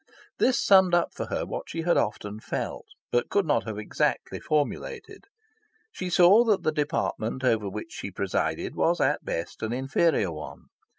This summed up for her what she had often felt, but could not have exactly formulated. She saw that the department over which she presided was at best an inferior one.